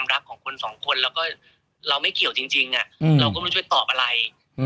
เราก็ไม่รู้ช่วยตอบอะไร